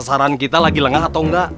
saran kita lagi lengah atau enggak